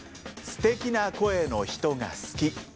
「すてきな声の人が好き」。